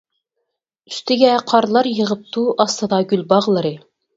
ئۈستىگە قارلار يېغىپتۇ، ئاستىدا گۈل باغلىرى.